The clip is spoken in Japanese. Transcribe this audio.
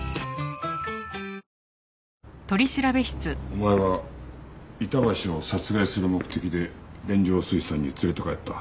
お前は板橋を殺害する目的で連城水産に連れて帰った。